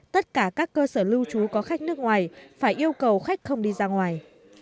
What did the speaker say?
tất cả các cơ sở lưu trú có khách nước ngoài phải yêu cầu khách không đi ra ngoài